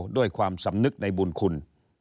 ด้วยความสำนึกในบุญคุณ